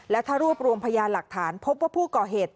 และถ้ารวบรวมพยานหลักฐานพบว่าผู้ก่อเหตุ